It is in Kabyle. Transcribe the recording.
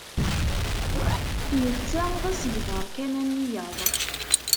Netta d asegbar kan am wiyaḍ.